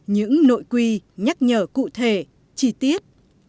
những nội quy nhắc nhở cụ thể chi tiết